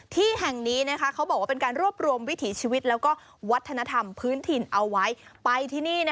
ที่แห่งนี้เขาบอกว่าเป็นการรวบรวมวิถีชีวิตแล้วก็วัฒนธรรมพื้นถิ่นเอาไว้ไปที่นี่